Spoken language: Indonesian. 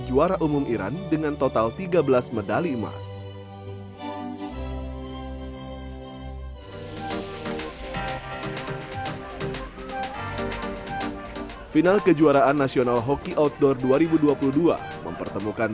juara umum iran dengan total tiga belas medali emas final kejuaraan nasional hoki outdoor dua ribu dua puluh dua mempertemukan